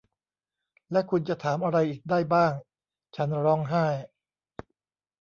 และคุณจะถามอะไรอีกได้บ้าง ฉันร้องไห้